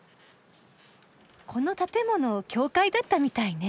この建物教会だったみたいね。